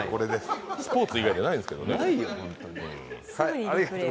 スポーツ以外でないんですけどね。